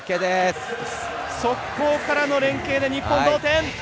速攻からの連係で日本同点。